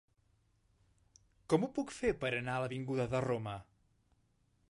Com ho puc fer per anar a l'avinguda de Roma?